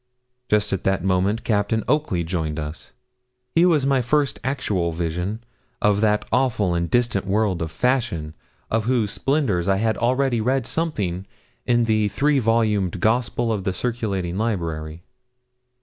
Just at that moment Captain Oakley joined us. He was my first actual vision of that awful and distant world of fashion, of whose splendours I had already read something in the three volumed gospel of the circulating library.